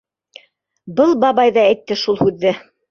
Былай бабай ҙа әйтте шул һүҙҙе...